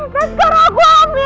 dan sekarang gue ambil